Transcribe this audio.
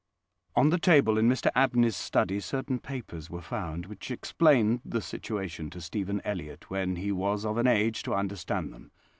On the table in Mr Abney's study certain papers were found which explained the situation to Stephen Elliott when he was of an age to understand them.